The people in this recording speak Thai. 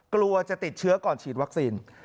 กลัวจะติดเชื้อก่อนฉีดวัคซีน